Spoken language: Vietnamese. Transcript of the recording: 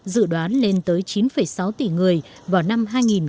dự đoán lên tới chín sáu tỷ người vào năm hai nghìn hai mươi